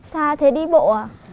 xa thế đi bộ à